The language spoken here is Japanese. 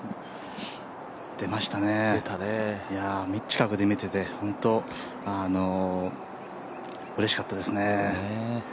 出ましたね、近くで見てて本当、うれしかったですね。